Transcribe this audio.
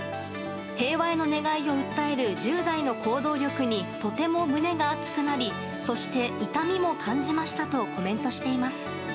平和への願いを訴える１０代の行動力にとても胸が熱くなりそして痛みも感じましたとコメントしています。